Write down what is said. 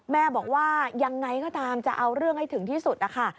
แม่บอกว่ายังไงก็ตามจะเอาเรื่องให้ถึงที่สุดนะคะ